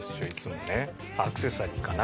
アクセサリーかな？